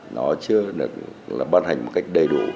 nó chưa được ban hành một cách đầy đủ